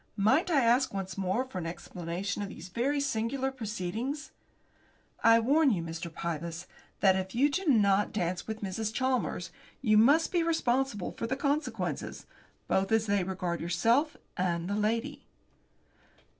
"Might I ask, once more, for an explanation of these very singular proceedings?" "I warn you, Mr. Pybus, that if you do not dance with Mrs. Chalmers, you must be responsible for the consequences, both as they regard yourself and the lady."